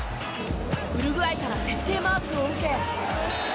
ウルグアイから徹底マークを受け。